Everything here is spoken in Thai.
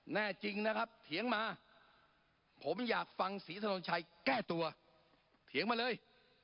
แน่จริงนะครับเถียงมาผมอยากฟังศรีถนนชัยแก้ตัวเถียงมาเลย